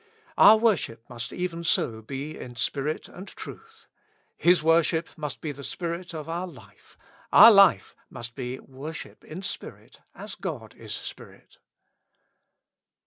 Our worship must even so be in spirit and truth His worship must be the spirit of our life ; our life must be worship in spirit as God is Spirit.